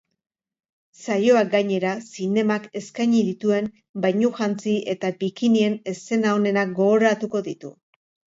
Saioak gainera, zinemak eskaini dituen bainujantzi eta bikinien eszena onenak gogoratuko ditu.